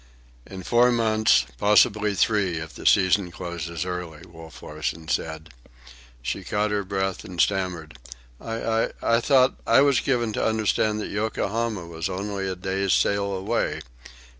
"In four months, possibly three if the season closes early," Wolf Larsen said. She caught her breath and stammered, "I—I thought—I was given to understand that Yokohama was only a day's sail away.